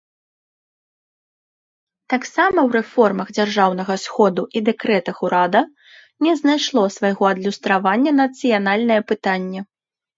Таксама ў рэформах дзяржаўнага сходу і дэкрэтах урада не знайшло свайго адлюстравання нацыянальнае пытанне.